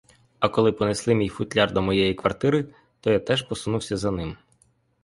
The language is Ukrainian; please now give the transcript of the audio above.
А коли понесли мій футляр до моєї квартири, то я теж посунувся за ним.